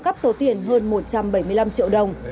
đã tiền hơn một trăm bảy mươi năm triệu đồng